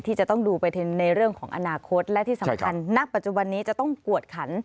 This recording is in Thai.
จะต้องดูไปในเรื่องของอนาคตและที่สำคัญณปัจจุบันนี้จะต้องกวดขัน